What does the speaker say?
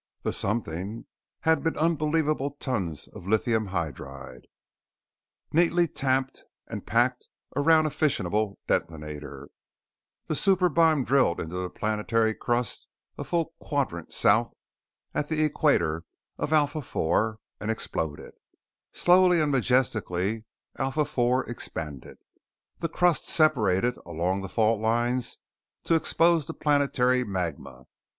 The "Something" had been unbelievable tons of lithium hydride, neatly tamped and packed around a fissionable detonator. The super bomb drilled into the planetary crust a full quadrant South at the Equator of Alpha IV and exploded. Slowly and majestically, Alpha IV expanded. The crust separated along the fault lines to expose the planetary magma.